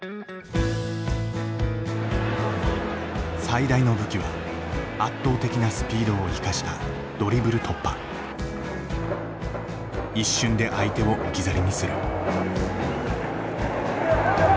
最大の武器は圧倒的なスピードを生かした一瞬で相手を置き去りにする。